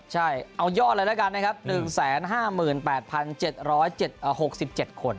ใช่เอายอดเลยด้วยกันนะครับหนึ่งแสนห้าหมื่นแปดพันเจ็ดร้อยเจ็ดหกสิบเจ็ดคน